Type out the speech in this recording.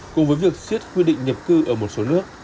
cùng với việc siết quy định nhập cư ở một số nước